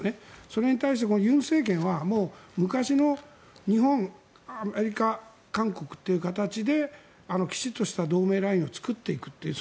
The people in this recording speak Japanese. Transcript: それに対して尹政権は昔の日本、アメリカ韓国っていう形できちんとした同盟ラインを作っていくという。